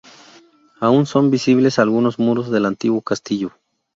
Aún son visibles algunos muros del antiguo castillo.